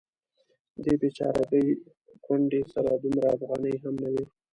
دې بیچارګۍ کونډې سره دومره افغانۍ هم نه وې.